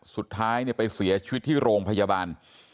สุดท้ายไปเสียชีวิตที่โรงพยาบาล